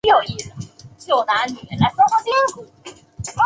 布吕尼沃当库尔。